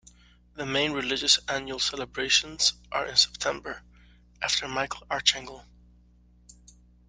The main religious annual celebrations are in September, after Michael Archangel.